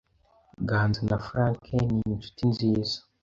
Ganza na Frank ni inshuti nziza.